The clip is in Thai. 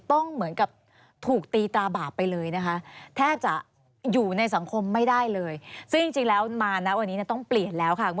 ต้องเหมือนกับถูกตีตราบาบไปเลย